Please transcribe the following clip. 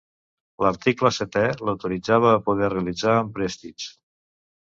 L'article setè l'autoritzava a poder realitzar emprèstits.